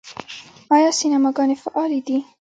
آیا سینماګانې فعالې دي؟